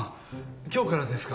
今日からですか。